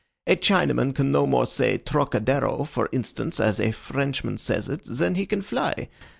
A Chinaman can no more say Trocadero, for instance, as the Frenchman says it, than he can fly.